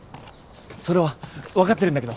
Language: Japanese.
それは分かってるんだけど。